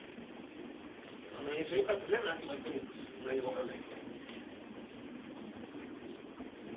「あの演奏よかったね」なんて言われても何も分かんない。